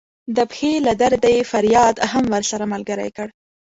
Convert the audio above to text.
د پښې له درده یې فریاد هم ورسره ملګری کړ.